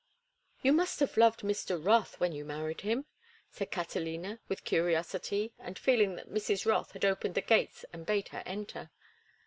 "You must have loved Mr. Rothe when you married him," said Catalina, with curiosity, and feeling that Mrs. Rothe had opened the gates and bade her enter.